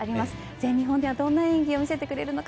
全日本ではどんな演技を見せてくれるのか